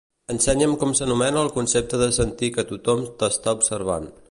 Ensenya'm com s'anomena el concepte de sentir que tothom t'està observant.